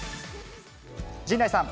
陣内さん。